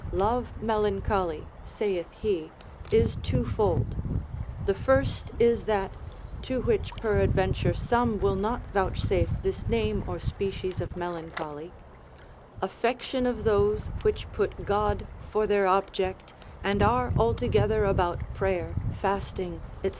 Love melancholy (saith he) is twofold; the first is that (to which peradventure some will not vouchsafe this name or species of melancholy) affection of those which put God for their object, and are altogether about prayer, fasting, &c.